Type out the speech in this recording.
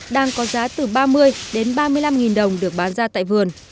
đang có giá từ ba mươi đến ba mươi năm nghìn đồng được bán ra tại vườn